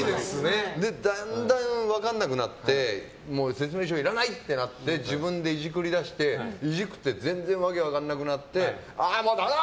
だんだん分からなくなって説明書いらない！ってなって自分でいじくり出していじくって全然、訳分からなくなってもうダメだ！